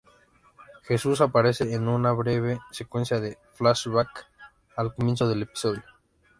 Jesús aparece en una breve secuencia de flashback al comienzo del episodio.